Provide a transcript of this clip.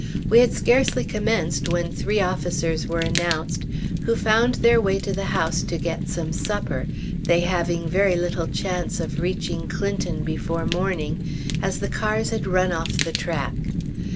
We had scarcely commenced when three officers were announced, who found their way to the house to get some supper, they having very little chance of reaching Clinton before morning, as the cars had run off the track.